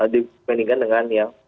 dibandingkan dengan yang